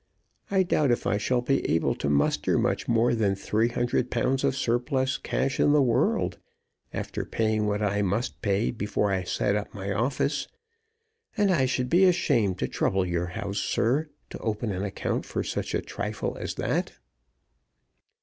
I doubt if I shall be able to muster much more than three hundred pounds of surplus cash in the world after paying what I must pay before I set up my office, and I should be ashamed to trouble your house, sir, to open an account for such a trifle as that."